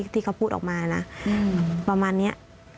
ที่เขาพูดออกมานะประมาณนี้